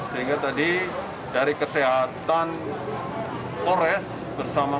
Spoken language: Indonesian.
sehingga tadi dari kesehatan pores bersama